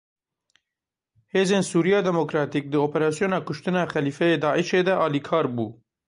Hêzên Sûriya Demokratîk di operasyona kuştina Xelîfeyê daişê de alîkar bû.